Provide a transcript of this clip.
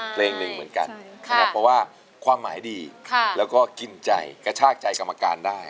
เพลงหนึ่งเหมือนกันนะครับเพราะว่าความหมายดีแล้วก็กินใจกระชากใจกรรมการได้